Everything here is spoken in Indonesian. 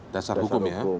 dasar hukum ya